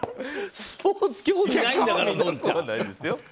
スポーツ興味ないんだからのんちゃん。